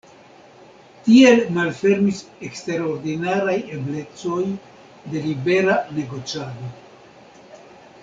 Tiel malfermis eksterordinaraj eblecoj de libera negocado.